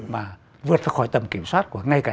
và vượt ra khỏi tầm kiểm soát của ngay cả